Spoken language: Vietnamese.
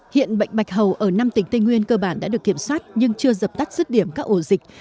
hiện bệnh bạch hầu ở năm tỉnh tây nguyên cơ bản đã được kiểm soát nhưng chưa dập tắt dứt điểm các ổ dịch